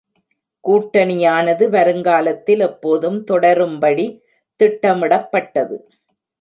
கூட்டணியானது, வருங்காலத்தில் எப்போதும் தொடரும்படி திட்டமிடப்பட்டது.